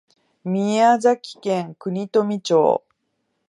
宮崎県国富町